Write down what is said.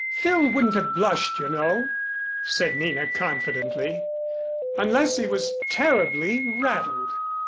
"Phil wouldn't have blushed you know," said Nina confidently, "unless he was terribly rattled.